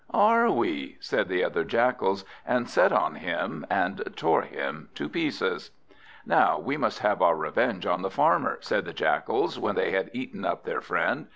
"Are we?" said the other Jackals, and set on him and tore him to pieces. "Now we must have our revenge on the Farmer," said the Jackals when they had eaten up their friend.